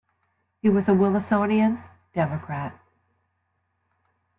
He was a Wilsonian Democrat.